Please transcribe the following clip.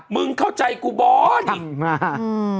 มึงเข้าใจกูบอล